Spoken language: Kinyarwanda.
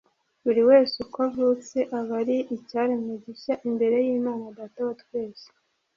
Buri wese uko avutse aba ari icyaremwe gishya imbere y'Imana Data wa Twese